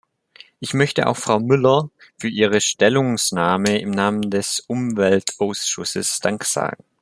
Ich möchte auch Frau Müller für ihre Stellungsnahme im Namen des Umweltausschusses Dank sagen.